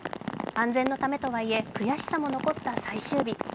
安全のためとはいえ、悔しさも残った最終日。